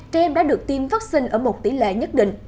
trẻ em đã được tiêm vaccine ở một tỷ lệ nhất định